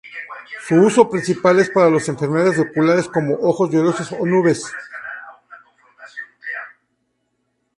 Su uso principal es para las enfermedades oculares como ojos llorosos o nubes.